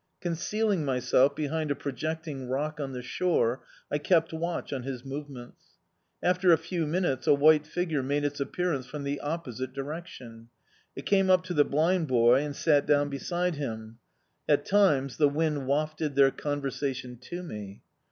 Concealing myself behind a projecting rock on the shore, I kept watch on his movements. After a few minutes a white figure made its appearance from the opposite direction. It came up to the blind boy and sat down beside him. At times the wind wafted their conversation to me.